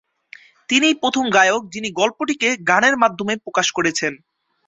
তিনিই প্রথম গায়ক যিনি গল্পটিকে গানের মাধ্যমে প্রকাশ করেছেন।